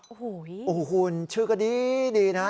โอ้โหคุณชื่อก็ดีนะ